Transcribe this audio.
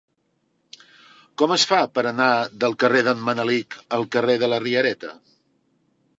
Com es fa per anar del carrer d'en Manelic al carrer de la Riereta?